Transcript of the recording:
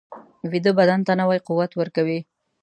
ویده بدن ته نوی قوت ورکوي